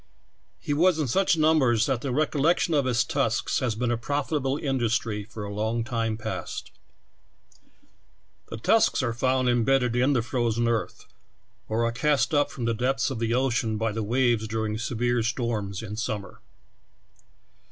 He was in such numbers that the collection of his tusks has been a profit able industry for a long The tusks are found em the frozen are cast up depths of the ocean by the waves during severe storms in summer.